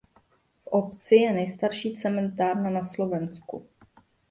V obci je nejstarší cementárna na Slovensku.